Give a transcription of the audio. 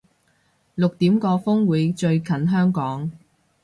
六點個風會最近香港